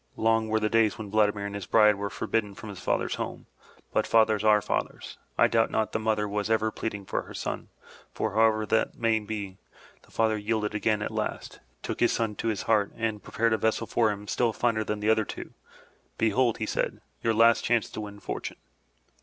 Long were the days when Vladimir and his bride were for bidden the father's home, but fathers are fathers, and I doubt not the mother was ever pleading for her son, for, however that may be, the father yielded again at last, took his son to his heart and prepared a vessel for him still finer than the other two. "Behold,'* said he, "your last chance to win fortune."